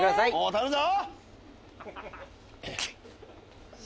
頼むぞ！